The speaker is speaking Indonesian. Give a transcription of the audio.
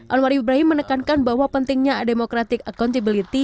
anwar ibrahim menekankan bahwa pentingnya democratic accountability